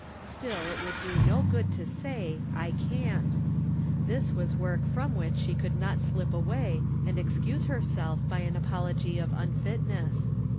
Still it would do no good to say, " I can't." This was work from which she could not slip away, and excuse herself by an apology of unfitness.